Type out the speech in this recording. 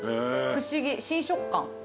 不思議新食感。